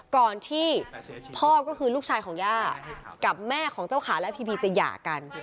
ก่อนที่พ่อก็คือลูกชายของย่ากับแม่ของเจ้าขาและพีพีจะหย่ากัน